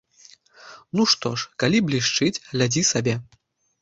Ну што ж, калі блішчыць, глядзі сабе.